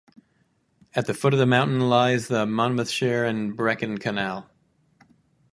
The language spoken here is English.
At the foot of the mountain lies the Monmouthshire and Brecon Canal.